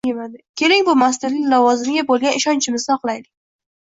Keling, bu mas'uliyatli lavozimga bo'lgan ishonchimizni oqlaylik!